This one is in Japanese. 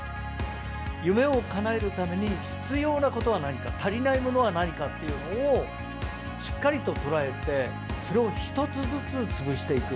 夢をかなえるために必要なことは何か、足りないものは何かっていうのを、しっかりと捉えて、それを一つずつ潰していく。